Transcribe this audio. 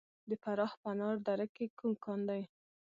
د فراه په انار دره کې کوم کان دی؟